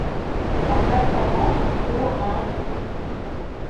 Sa performance lui vaut un '.